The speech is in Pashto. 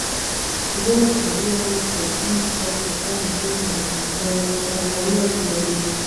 ژبه د مادي او غږیز اړخ ترڅنګ مهم اروايي اړخ لري